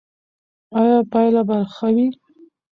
ایا پایله به ښه وي؟